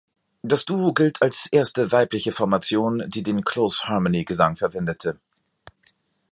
Das Duo gilt als erste weibliche Formation, die den Close-Harmony-Gesang verwendete.